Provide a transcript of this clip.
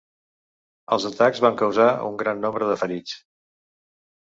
Els atacs van causar un gran nombre de ferits.